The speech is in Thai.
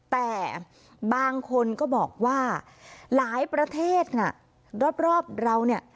แต่บางคนก็บอกว่าหลายประเทศน่ะรอบเราเนี่ย